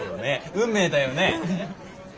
運命だよね！